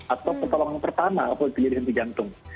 atau pertolongan pertama apa itu jadi henti jantung